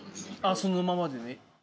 そのままでね。